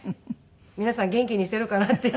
皆さん元気にしてるかなって。